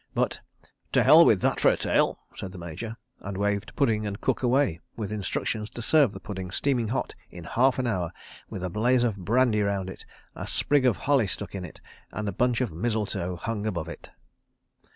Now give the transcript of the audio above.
But, "To hell with that for a Tale," said the Major, and waved pudding and cook away, with instructions to serve the pudding steaming hot, in half an hour, with a blaze of brandy round it, a sprig of holly stuck in it, and a bunch of mistletoe hung above it.